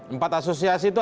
empat asosiasi itu